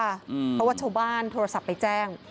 เพราะว่าชาวบ้านโทรศัพท์ไปแจ้ง